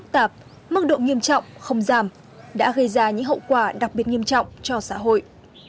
tổng không giảm đã gây ra những hậu quả đặc biệt nghiêm trọng cho xã hội